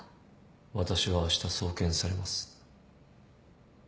私はあした送検されます。